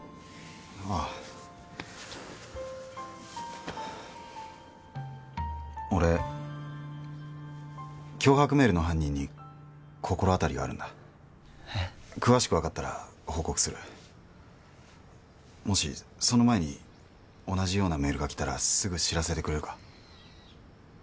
ああ俺脅迫メールの犯人に心当たりがあるんだえッ詳しく分かったら報告するもしその前に同じようなメールが来たらすぐ知らせてくれるか？